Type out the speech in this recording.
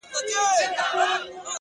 • زما د ميني ليونيه؛ ستا خبر نه راځي؛